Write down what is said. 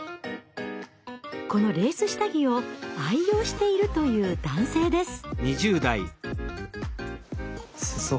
このレース下着を愛用しているという男性です。